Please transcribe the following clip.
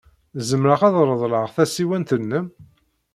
Zemreɣ ad reḍleɣ tasiwant-nnem?